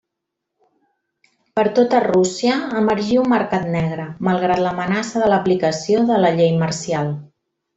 Per tota Rússia emergí un mercat negre, malgrat l'amenaça de l'aplicació de la llei marcial.